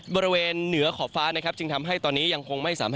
บริเวณเหนือขอบฟ้านะครับจึงทำให้ตอนนี้ยังคงไม่สามารถ